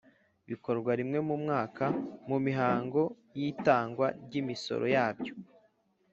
bikorwa rimwe mu mwaka mumihango y’itangwa ry’imisoro yabyo